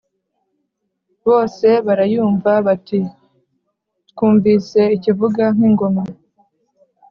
bose barayumva bati: "twumvise ikivuga nk' ingoma